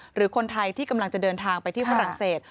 หรือคนไทยที่กำลังจะเดินทางไปที่ฝรั่งเศส